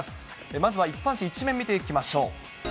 まずは一般紙１面見ていきましょう。